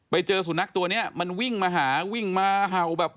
ไปเจอสุนัขตัวนี้มันวิ่งมาหาวิ่งมาเห่าแบบ